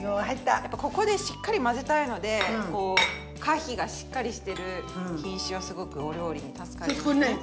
やっぱここでしっかり混ぜたいので果皮がしっかりしてる品種はすごくお料理に助かりますね。